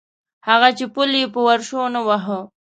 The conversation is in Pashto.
هغه چې پل یې په ورشو نه واهه.